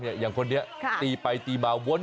ในคนี้ตีไปตีมาวน